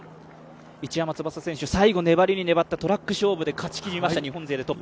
市山翼選手、最後、粘りに粘ったトラック勝負で勝ちきりました、日本勢でトップ。